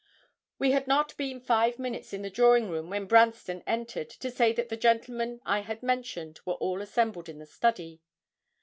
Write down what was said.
We had not been five minutes in the drawing room when Branston entered, to say that the gentlemen I had mentioned were all assembled in the study.